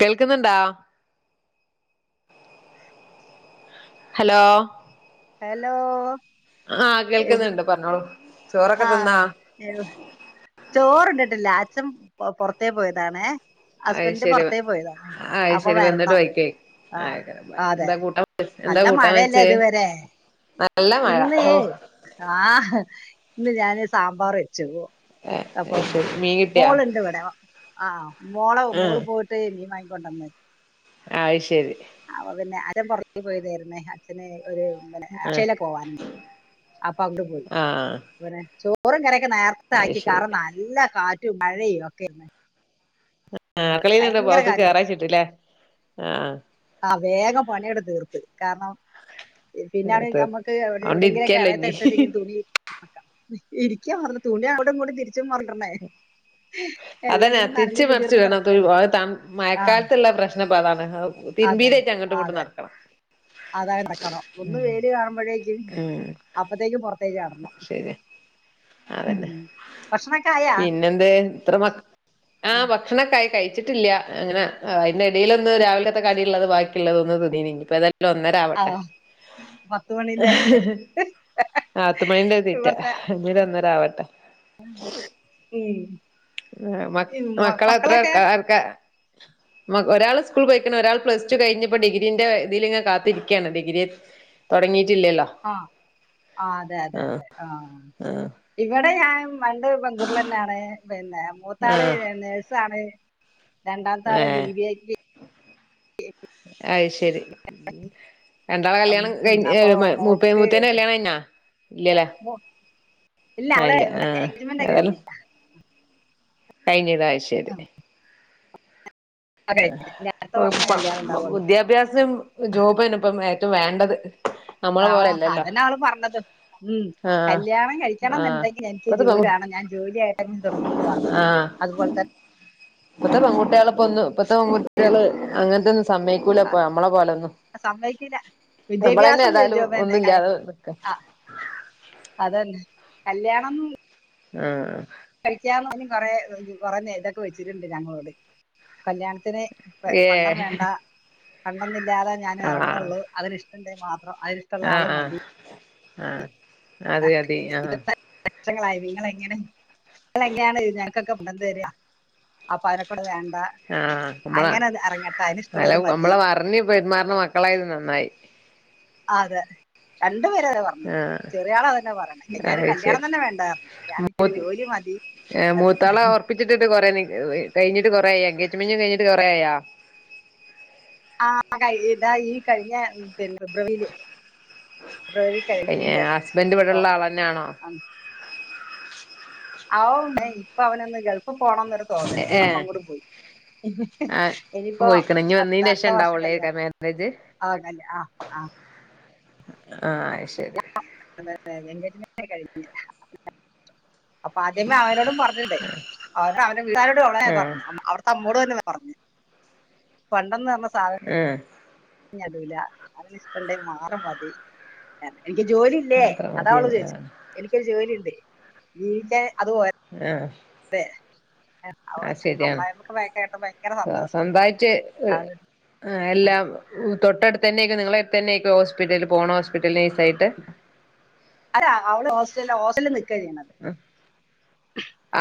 കേൾക്കുന്നുണ്ടാ? Hello. Hello. ആഹ് എവ് കേൾക്കുന്നുണ്ട് പറഞ്ഞോളൂ. ചോറൊക്കെ ആഹ് തിന്നാ ചോറ് ട്ടില്ല അച്ഛം പൊറത്തേ പോയതാണെ അയ് ഹസ്ബന്റ് ശരി പൊറത്തേ പോയതാ അയ് അപ്പൊ ശരി വന്നിട്ട് വരണം. വൈക്കേ ആഹ് ആയിക്കോട്ടെ അതെ എന്താ കൂട്ടാൻ എന്താ നല്ല കൂട്ടാൻ മഴയല്ലേ വെച്ചേ ഇതുവരെ? നല്ല മഴ ഓ ഇന്നേയ് ആഹ് ഇന്ന് ഞാന് സാമ്പാർ വെച്ചു. അപ്പോ അയ് ശരി മീൻ കിട്ടിയാ മോളിണ്ടിവിടെ. ആഹ് മോള മോള് പോയിട്ട് മീൻ വാങ്ങിക്കൊണ്ടുവന്ന്. അത്‌ശരി. അപ്പൊ പിന്നെ ആരൻ പുറത്ത് പോയതായിര്ന്നേ അച്ഛനെ ഒരു പിന്ന ആഹ് അക്ഷയില പോവാനുണ്ട് അപ്പോ അങ്ങട് പോയി ആഹ് പിന്നെ ചോറും കറി യൊക്കെ നേർത്തെ അയ് ആക്കി ശരി കാർണം നല്ല കാറ്റും മഴയും ഒക്കെരുന്നേ. ആ കളീന്നെന്താ പൊറത്ത് ചേറാച്ചിട്ടില്ലേ ആഹ്. ആഹ് വേഗം പണിയങ്ങട് തീർത്ത് കാരണം, പിന്നാണ് തീർ നമ്മുക്ക് എവിടെ അതോണ്ട് എവിടെങ്കിലൊക്കെ ഇരിക്കല്ലോ എറയത്ത് ഇനി ഇട്ടെങ്കി തുണി ഇരിക്കാ പറഞ്ഞ തുണി അവിടെ കൂടി തിരിച്ചും കൊണ്ടരണെ. അതന്നെ. തിരിച്ച് മറിച്ച് ഇടണം തു കിടക്കല്ലേ തൺ ആ മഴക്കാലത്തുള്ള പ്രശ്നം ഇപ്പതാണ്. അതന്നെ തിരുമ്പീടെറ്റ ആ, അങ്ങോട്ടിങ്ങോട്ടും അതെ നടക്കണം. അതാ നടക്കണം ഒന്ന് വേൽ കാണുമ്പോഴേക്കും ഉം അപ്പോത്തേക്കും പുറ ത്തേ ചാടണം. ശരിയ അതന്നെ. പിന്നെ എന്ത് എത്ര മക്ക ആഹ് ഉം. ഭക്ഷണൊ ക്കായി കഴിച്ചിട്ടില്ല അങ്ങന അതിന്റെ ഇടേലൊന്ന് രാവിലത്തെ കടി ഉള്ളത് ബാക്കിയുള്ളത് തിന്നിനി ഇനീപ്പേതായ ലു ആ ഒന്നരാവട്ടെ. പത്ത് മണിന്റെ ആത്ത്മയ്ന്റെ തീറ്റ. ഇവിടുത്തെ ഇനിയൊരു ഒന്നരാവട്ടെ. ഉം. ഏഹ് മ ഈ മ- മക്കളത്ര മക്കളൊക്കെ ർക്ക ർക്ക? മ ഒരാൾ സ്കൂൾ പോയിക്കണ് ഒരാൾ പ്ലസ് ടു കഴിഞ്ഞപ്പോ ഡിഗ്രീന്റെ ഇതിൽങ്ങാ കാത്തിരിക്കുകയാണ് ഡിഗ്രി തുടങ്ങി ആഹ് ആഹ് അതെയതെയതെ ആഹ് ആഹ് ഇവിടെ ഞാൻ രണ്ട് പെൺകുട്ടികൾ തന്നെയാണ് പിന്നെ മൂത്താള് ആഹ് നേഴ്സാണ്, രണ്ടാമത്തെ ആള് ഏഹ് ഡിഗ്രി കഴിഞ്ഞ് അത് ശരി ഉം രണ്ടാളുടെ കല്യാണം അപ്പൊ കഴി മുപ്പതി മോൾക്ക് മൂത്തതിന്റെ ഇല്ല കല്യാണം കഴിഞ്ഞാ ഇല്ലല്ലേ മോ- ആഹ് അവളെ ഇല്ല ആഹ് എൻഗേജ്മെന്റ് ഏതായാലും കഴിഞ്ഞില്ല കഴിഞ്ഞതാ ശരി ആ, കഴിഞ്ഞ അടുത്ത വർഷം കല്യാണം ഉണ്ടാവുള്ളൂ വിദ്യാഭ്യാസം ജോബ് തന്നേ ഇപ്പോ ഏ വേണ്ടത് നമ്മളെ ആഹ് പോലെല്ലല്ലോ അതന്നെ അവള് പറഞ്ഞത് ഉം ആഹ് കല്യാണം ആഹ് കഴിക്കണോന്നുണ്ടെങ്കിൽ എനിക്ക് ഇപ്പത്തെ പെൺ ജോലി ആവണം ഞാൻ ജോലി ആയിട്ടേ ഇനി തുടങ്ങൂള്ളു പറഞ്ഞു ആഹ് അതുപോലെ ത ഇപ്പത്തെ പെൺകുട്ടികളെ പൊന്നു ഇപ്പത്തെ പെകുട്ടികള് അങ്ങനെ സമ്മയക്കൂല ഇപ്പോ നമ്മളെ പോലൊന്നും സമ്മതിക്കില്ല നമ്മള് തന്നെ വിദ്യാഭ്യാസം ചെ- ഏതായാലും ചെ- ഒന്നും ഇല്ലാതെ നിക്കുവാ അത് തന്നെ കല്യാണം ആഹ കഴിക്കാന്നോക്കി കൊറേ കൊറെനെയ്തൊക്കെ വെച്ചിട്ടുണ്ട് ഞങ്ങളോട് കല്യാണത്തിന് പണ്ടം ഏഹ് വേണ്ട പണ്ടൊന്നില്ലാതെ ഞാൻ ആഹ് എറങ്ങുള്ളൂ അതിന്ഷ്ട ട്ടണ്ടേ മാത്രം അതിരിഷ്ട്ടള്ള ആള് മതി ആഹ അതെ അതെയ് ആഹ ഇത് വർഷങ്ങളായി നിങ്ങളെങ്ങനെ നിങ്ങളെങ്ങനെയാണ് ഞങ്ങ്ക്കൊക്കെ പണം തര്യാ അപ്പയ്ന കൂടെ പാലക്കൂടെ വേണ്ട ആഹ നമ്മള അങ്ങനെ അത് ഇറങ്ങട്ടെ അതിനിഷ്ടമുള്ളവർ അല്ലോം മതി നമ്മളവർഞ് പെര്മാറണ മക്കളായത് നന്നായി അതെ കൽ ആഹ ഇയാള തന്നെപറയണ് കെജേരം കല്യാണം തന്നെ വേണ്ടാർഞ്ഞു ഞാനിക്കൊരു ജോലി മതി ഏ മൂത്താള ഒർപ്പിച്ചിട്ടിട്ട് കൊറെ നിക്ക് കയ്ഞ്ഞിട്ട് കൊറേയാ എൻഗേജ് മെന്റും കയ്ഞ്ഞിട്ട് കൊറേയാ ആഹ കഴ്ഞ്ഞിട്ടായി ഈ കഴ്ഞ്ഞെ പിന്നെ ഫെബ്രുവരില് ഫബ്രുവരി കഴിഞ്ഞില്ലേ ഹസ്ബൻഡ് അപ്പൊ ഇവിടെള്ള ആളെന്നാണോ അ അ ഓ പൈ ഇപ്പവനൊന്ന് ഗൾഫ്‌ പോണോന്നൊരു തോന്നല് ഏഹ് അപ്പങ്ഡ് പോയി ആഹ് ഇനിയിപ്പോ പോയിക്ക്ണ് ഇഞ്ഞ് അടുത്ത വന്നീന്റെ അടുത്ത ശേഷം വർഷം കല്യാണം ഉണ്ടാവുള്ളേക്കാരം അവ്ടല്ലെ ആഹ് ആഹ് ആഹ എൻഗേജ് മെന്റ് കഴിഞീലാ അപ്പ ആദ്യമേ അവനോട് പർഞ്ഞിണ്ടേ അവനും അവന്റെ വീട്ട്കാരോടും അവളന്നെ ആഹ് പറഞ്ഞെ അവുട്ത്തെ അമ്മോട് തന്നെ പർഞ് പണ്ടെന്നർഞ്ഞ ഏ ഇഞ്ടൂല അവന് ഇഷ്ടണ്ടെ മാറും മതി അർഞ് എനിക്ക് ജോലില്ലേ അത്ര അതാവള് മതിയെന്ന് ചോയ്ച്ച ആഹ് എനിക്കൊരു ജോലിണ്ട് ജീവിക്കാൻ അത്പോലെ ആഹ് ന്നെ അവ അത് ശരിയാണ് അമ്മായമ്മക്ക് വയക്കേട്ട ഭയങ്കര സന്തോഷം അ ആ എല്ലാം തൊട്ടടുത്തന്നെയ്ക്കാം നിങ്ങളെരുത്തന്നെയക്കാം ഹോസ്പിറ്റല് പോണ ഹോസ്പിറ്റല് നെയ്സായിട്ട് [unintelligible] അല്ല അവള് ഹോസ്റ്റല ഹോസ്റ്റല്നിക്കും ക്കഴിയുന്നത്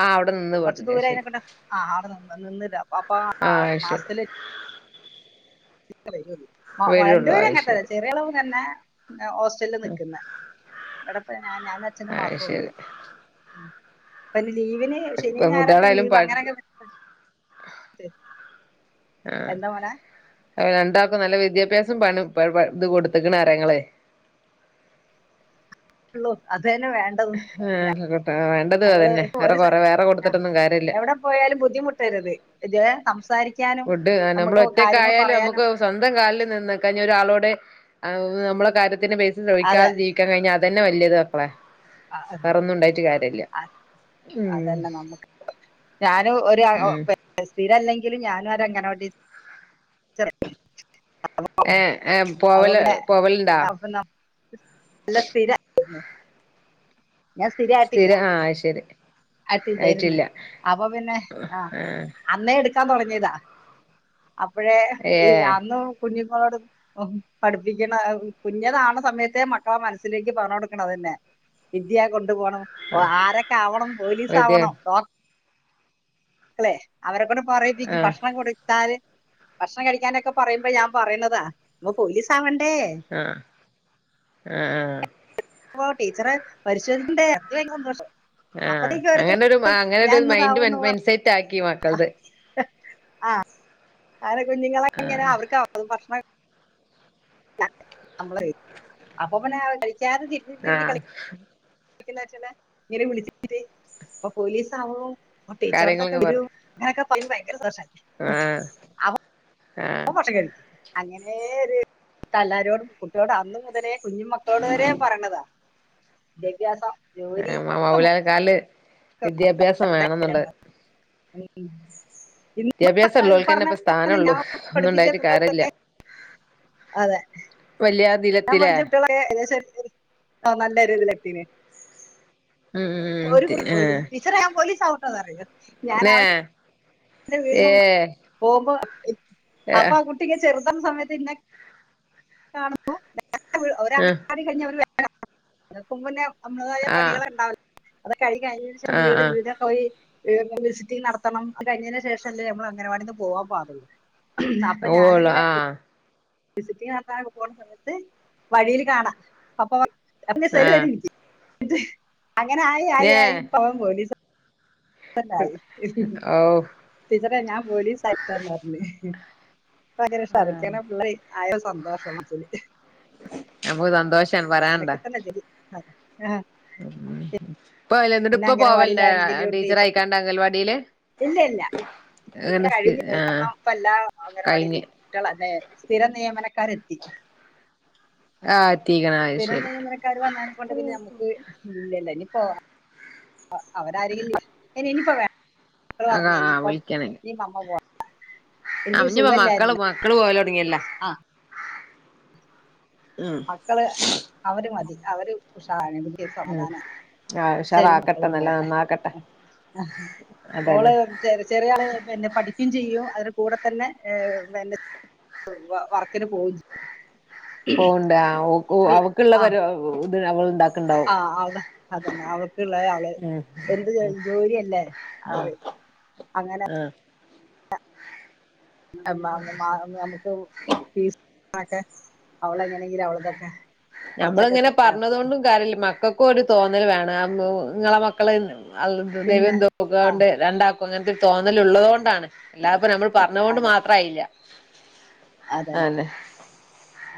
ആ അവിടെ നിന്ന് കൊറച്ച് പഠിഞ്ഞ ദൂരായ് ശരി നിക്ക്ണ്ടാ അവ്ടെ നിന്ന് നിന്ന് അപ്പൊ ആ മാസത്തില് വരുള്ളൂ വരണ്ടിവരും അത് അങ്ങത്തല്ല ശരി ചെറിയളവ് തന്നെ ഹോസ്റ്റല് ന്നിക്കുന്നെ ഇവിടെപ്പ ഞ ഞാനും ആ അച്ഛനും മാത്രേ ഉള്ളൂ ശരി ഉ പഷെ ലീവിന് ശനീം ഞായറൊക്കെ പെൺകുട്ടികളായാലും ലീവ് പ അങ്ങനൊക്കെ പ ആ എന്താ മോനെ അ രണ്ടാക്കും ന്നല്ല വിദ്യാഭ്യാസം പണം വ ഇത് കൊട്ത്ത്ക്ക്ണ് അറിയഇങ്ങളെ ഉള്ളൂർ അ ഇതന്നെ വേണ്ടതും ഞ ആ വേണ്ടത് ഞങ്ങ്ള് അതന്നെ പ്പൊ വേറെ ഒര് കൊറെ വേറെ സ്ഥല അ കൊടുത്തിട്ടൊന്നും കാര്യല്ല എവടെപ്പോയാലും ബുദ്ധിമുട്ടരുത് ഇതേ സംസാരി ഫുഡ് അ നമ്മള് ഒറ്റക്കായാലും നമ്ക്ക് സ്വന്തം കാൽല് നിന്ന്ക്കഞ്ഞൊരാളോട് ടെ അവ് നമ്മളെ കാര്യത്തിന് അതെ പൈസചോയ്ക്കാതെ ജീവിക്കാ കയ്ഞ്ഞാ അതന്നെ വല്ല്യയത് മക്കളെ വേറെന്നുണ്ടായ്റ്റ് കാര്യല്ല ഉം അതന്നെ നമുക്ക് ഞാനും ഒര് അ ഒ ഉം സ്ഥിരല്ലെങ്കിലും ഞാനും ഒരങ്ങനവാടി ടീച്ച ച്ചറ ച്ച് അ അപ്പൊ ഏ ഏ പോവല് അപോപിന്നെ പോവലുണ്ടാ [unintelligible] അല്ല സ്തിര യിന്ന് സ്ഥിരം ആ ഐശെരി ആയിട്ടില്ലാര്ന്ന് അപ്പൊ പിന്നെ ആ അന്നേ എട് ക്കാൻ തുടങ്ങിയതാ അപ്പഴേ ഏ ഇഅന്ന് കുഞ്ഞ ളോട് പഠിപ്പിക്കണ കുഞ്ഞത ആണ് സമയത്തെ മക്കളെ മനസ്സിലേക്ക് പറഞ്ഞ കൊടുക്കണ തന്നെ വിദ്യാ കൊണ്ടു പോകണം ആരൊക്കെ ആവണം പോലീസ് അതെ ആവണംഡോ ല്ലെ അവരെക്കൊണ്ട് പറയിപ്പിക്കും ആ ഭക്ഷണം കൊടുത്താല് ഭക്ഷണം കഴിക്കാനൊക്കെ പറയുമ്പോ ഞാൻ പറയ്ണതാ നമ്മപോലീസ ആവ ൻ ആഹആ ആ അപ്പൊ ടീച്ചറേ പരിശോധിക്കണ്ടേ അ സന്തോഷം ആ അപ്പത്തേക്ക് ഓരോരുത്തർ അങ്ങനരു അങ്ങനെ ഞാൻ ഒരു മൈൻഡറ് ഇന്നതാവൂന്ന് മൈസെറ്റ് ആക്കി മക്കളത് ആ അങ്ങനെ കുഞ്ഞുങ്ങളെ ആ ഇങ്ങനെ അവർക്കാവും ഭക്ഷണം നമ്മള് അപ്പൊപിന്നെ അവര് കഴി ത് തിരു ആ തിരു കളി ഇങ്ങനെ വിളിച്ച അപ്പൊ പോലീസ് ആവോ ടീച്ചറത്തൊക്കെ കാര്യങ്ങളൊക്കെ പറ വരോ ഇങ്ങനെക്കെ പറ ഭയങ്കര [unintelligible] ആ അപ്പൊ ഭക്ഷണം കഴിക്കും അങ്ങനെ ഒരു തല്ലാരോടും കുട്ടികളോടും അന്ന് മുതലേ കുഞ്ഞു മക്കളോട് വരെ പറയണതാ വിദ്യാഭ്യാസം ജോലി ഒക്കെ നമുക്ക് മൗലൽക്കാല് വിദ്യാഭ്യാസം വേണംഎ ന്നുള്ളത് [inaudible] ഇന്ന് ഉള്ളോൽക്കന്നെ ഇപ്പ പറഞ്ഞപല തന്നെ സ്ഥാനള്ളു ഞാൻ ഒന്നും പഠിപ്പിച്ച ഉണ്ടായിട്ട് കാര്യല്ല കുട്ടികൾക്കൊക്കെ അതെ വല്യ ഞാൻ ദിലത്തിലെ പഠിച്ചടകുട്ടികളേക്കോ ഏകദേശം ആ നല്ല രതില എത്തീന് ഉം പോഒരു കുട്ടി ടീച്ചറ ഞാൻ പോലീസ് ആവുട്ടോ ന്ന് പറയും ന്നേ എന്റെ വീടിന്റെ മുന്നി പോവുമ്പോ ഏഹ് അപ്പൊ കുട്ടിങ്ങെ ചെറുത സമയത്ത്ന്ന കാണുമ്പോ [unintelligible] ആഹ് അതക്കന്നെ നമ്മളാതായ ആഹ് പണികള ഉണ്ടാവില്ല കഴിഴം ആഹ് വീട് ആഹ് വീടൊക്കെ പോയി വിസിറ്റിംഗ് നടത്തണം കഴിഞ്ഞതിന് ശേഷംല്ലേ ഞമ്മൾ അങ്ങനവാടിന്ന് പോവാൻ പാള്ളൂ അപ്പൊ ഓള് ഞാനിങ്ങനെ ആഹ് വിസിറ്റിംഗ നടത്താനൊക്കെ പോണ സമയത്ത് വഴിയിൽ കാണാം അപ്പൊ അപൊ ആഹ് സതരും നിക്ക് അങ്ങനെ ആയി ആയി നേ ആയി പോവാൻ പോലീ ആയി ഓഹ് ടീച്ചറെ ഞാൻ പോലീസ് ആയിട്ടൊന്ന് പറഞ്ഞ്ഭയങ്കര ഷറക്കണ പിള്ളേ ആയ സന്തോഷം [unintelligible] ഞമ്മക്ക് സന്തോഷം അങ്ങനെയൊക്കെ പറയാനുണ്ടാ തന്നെ ചെയ്യും അതെ ഉ ഇപ്പ അ എന്നിട്ട് പിന്നെ ഇപ്പ പോവലില്ലേ അംഗനവാടിയിലാണെങ്കിലും ടീച്ചർ ആയിക്കാണ്ട് അംഗൽവാടിയില് ഇല്ല ഇല്ല ഇല്ല അങ്ങനെ സ്ഥി അഴി- ആഹ് കാരണം ഇപ്പെല്ലാ അംഗനവാടിയിൽ കഴിഞ്ഞ് [inaudible] സ്ഥിര നിയമന കാരെത്തി ആഹ സ്ഥിർ നിയമനക്കാർ വന്നോണ്ട് പിന്നെ നമ്മുക്ക് ഇല്ലല്ലോ അ അവരാരേങ്കും ഇനിയിപ്പോ വേ അ പറഞ്ഞേ ആഹ് ഇനിയിപ്പം നീ കമ്മ പോ അ-ഞ്ഞപ്പോ മക്കള് മക്കള് പോവലൊട്ങ്ങിയല്ലോ ആ മക്കള് അവര് മതി അവര് ഉഷാരാണ് ങ്കി ഉം സമാധാനാണ് ആ അച്ചരും ഉഷാറാക്കട്ടെ മക്കളും നല്ല പോണ്ടെ നന്നാക്കട്ടെ ആ അതന്നെ മോള് ചെറിയ ചെറിയ ആളെ പഠി- ക്കും ചെയ്യും അതിന് കൂടെ തന്നെ വർക്കിന് പോവും ചെയ്യും പോവണ്ടാ അവക്കുള്ള ഇത് അവൾണ്ടാക്ക ആഹ് അതന്നെ അവൾക്ക്ള്ള അവള് ഉം എന്ത് ജോലിയല്ലേ ആ ആറി അങ്ങനെ ആ നമുക്ക് ഫീസ് ആട്ടെ അവളങ്ങനെങ്കിലും അവളതൊക്കെ കുറച്ചൊക്കെ ഞമ്മളിങ്ങനെ സെറ്റ് ആക്കും പറഞ്ഞതൊണ്ടും കാര്യമില്ല മക്കൾക്കും ഒരു തോന്നൽ വേണം ഇങ്ങളെ മക്കള അ ദൈവം പിന്നെ തോ-ക്കുകണ്ട് രണ്ടാക്കും അങ്ങനത്തെ ഒരു തോന്നല്ള്ള തോണ്ടാണ് അല്ലാപ്പ നമ്മൾ പറഞ്ഞുകൊണ്ട് മാത്രായില്ല അതെ അന്നെ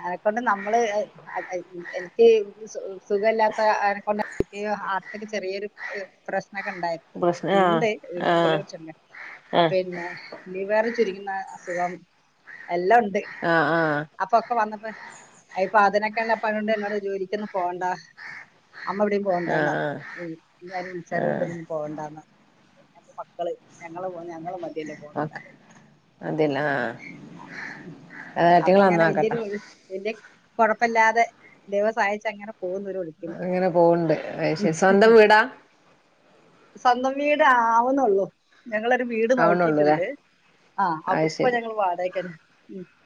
അതെക്കൊണ്ട് നമ്മ ൾ എനിക്ക് സുഖല്ലാത്തെ ആ - ചെറിയ പ്രശ്ന ക്കെ ഉണ്ടായി പ്രശ്ന ആ -ണ്ട് ആ ഗുളികട്ച്ചി ആ പിന്നെ ലിവർ ചുരിയുന്ന അസുഖം എല്ലാം ഉണ്ട് ആ ആ അപ്പൊക്കെ വന്നപ്പോ അയിപ്പൊ അതിനൊക്കെല്ല പ്പാനോണ്ട് എന്നോട് ജോലിക്കൊന്നും പോണ്ട അമ്മ എവിടെേയും ആ പോവണ്ടാന്നർ ആ ഞ്ഞ് ഇനി അയ്ന് വിളിച്ചാലും പോവണ്ടന്നർഞ്ഞ് എന്റെ മക്കള് ഞങ്ങള് പോ അതേ ല്ല ആഹ റ്റിങ്ങളെ നന്നാക്കട്ടേ കൊഴപ്പമില്ലാതെ ദൈവം സഹായ്ച്ചങ്ങനെ അങ്ങനെ പോവണ്ട് സ്വന്തം വീടാ? സ്വന്തം വീടാ- വുന്നൊള്ളൂ ഞങ്ങളരു വീട് ആവണൊള്ളൂ ല്ലേ നോക്കിട്ടുണ്ട് ആ അപ്പൊ അത് ഇപ്പൊ ശരി ഞങ്ങൾ വാടകക്കാ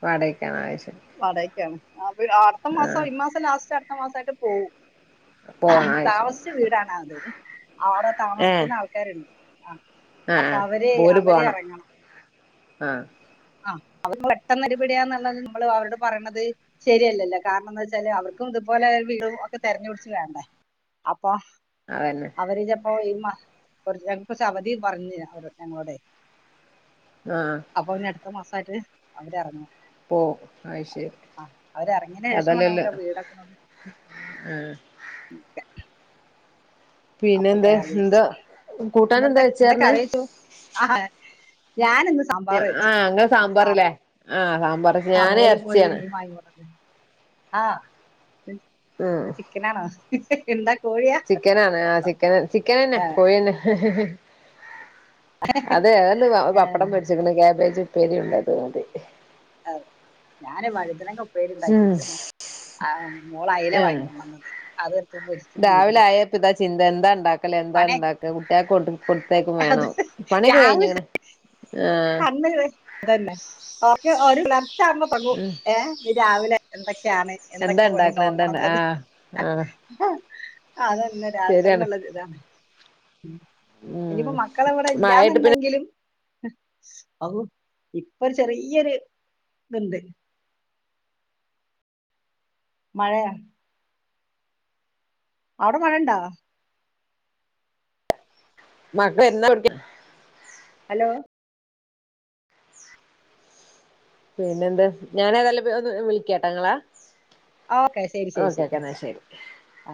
വാടകക്കാണ് അത് ശരി വാടകക്കാണ് അ അടുത്ത ആഹ് മാസം ഈ മാസം ലാസ്റ്റ് അടുത്ത മാസയിട്ട് പോവും പോണം അത് ശരി താമസിച്ച വീടണത് അവിടെ ഏഹ് താമസിക്കുന്ന ആൾക്കാരുണ്ട് ആഹ് അപ്പൊ ആഹ് അവരെ ഓല് അവര് പോണം ഇറങ്ങണം ആഹ് ആഹ അവ പെട്ടെന്ന-ടിപടിയാന്നുള്ള നമ്മള് അവരോട് പറയണത് ശരിയല്ലല്ലോ കാരണംന്താ വെച്ചാല് അവർക്കും ഇതുപോലെ വീടും ഒക്കെ തിരഞ്ഞു പിടിച്ച് വേണ്ടേ അപ്പ അതന്നെ അവര് കൊറ ഞങ്ങൾക്ക് കൊർച്ച് അവധി പറഞ്ഞിന് ഞങ്ങളോടെ ആഹ അട്ത്ത മാസയിട്ട് അവര് ഇറങ്ങു പോ ആയി ശേരി അവരെറങ്ങിയതിന് ശേഷം വേണം അതെല്ലല്ല നമുക്ക് ആ വീടൊക്കെ നോക്കി ഉം അപ്പൊ പിന്നെന്താ കേറാന്ന് വിചാരിച്ചു എന്താ കൂട്ടാൻ എന്താ വെച്ചാർന്നേ കറി വെച്ചു ഞാനിന്ന് സാമ്പാർ വെച്ചു ആഹ അങ്ങനെ സാമ്പാറലേ സാമ്പാ ആഹ സാമ്പാർ ഞാന് ഇറച്ചിയാണ് ആഹ ഉം ചിക്കനാണോ എന്ത ചിക്കനാണ് ആ ചിക്കൻ ചിക്കൻന്നെ കോഴിന്നെ അതെ അതണ്ട് പപ്പടം പരിച്ചിക്കണ് കാബേജ് ഉപ്പേരി ഉണ്ട്ത് മതി അെ ഞാന് വഴുതനക്ക ഉപ്പേര് ഇണ്ടാക്കി ഉം വച്ചി ആ മോള അല ആഹ് വാങ്ങണംണ്ടന്നത് അത് എടുത്ത പൊരു ചെയ്ത് രാവിലെ ആയപ്പോ ഇതാ ചിന്ത എന്താ ഉണ്ടാക്കല എന്താ പണി ഉണ്ടാക്ക കുട്ടിയെ കൊണ്ട് കൊടുത്തേക്കും അത് വേണം പണിയൊക്കെ കഴിഞ്ഞ ഇങ്ങനെ കണ്േ അതന്നെ ഓെ ഓ ചാമ്പ പങ്ങു ഏ നീ രാവിലെ എന്തൊക്കെയാണ് എന്താ എന്തൊക്കെ പണി ഉണ്ടാക്കണെ എന്താ നോക്കണംുള്ളത് ആഹ് ആഹ് ആഹ ആ അതന്നെ രാവിലെ തന്നെ ശരിയാണ് ഉള്ളത് ഇതാണ് ഉം ഇനിയിപ്പോ മക്കള എവിടെ മഴായിട്ട് പിന്നെ ഇല്ലാന്നുണ്ടെങ്കിലും അ ഇപ്പൊ ചെറിയൊരു ഇതുണ്ട് മഴയാ അവിടെ മഴണ്ടാ മക്ക എന്താടിക്ക ഹലോ. പിന്നെ എന്ത് ഞാൻ ഏതായാലും ഓ വിളിക്കാട്ടോ നിങ്ങളേ. ഓക്കെ ശരി ശരി ഓക്കെ ഓക്കെ എന്നാ ശരി. ആ